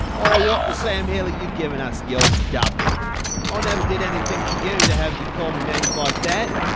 "Aw, what the Sam Hill are you giving us, you old dub? I never did anything to you to have you call me names like that!"